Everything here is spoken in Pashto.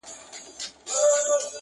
لا پخپله هم د بار په منځ کي سپور وو؛